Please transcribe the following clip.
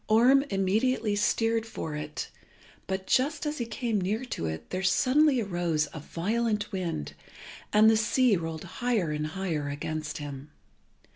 Orm immediately steered for it, but just as he came near to it there suddenly arose a violent wind, and the sea rolled higher and higher against him.